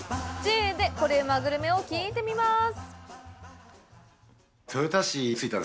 ＪＡで、コレうまグルメを聞いてみます。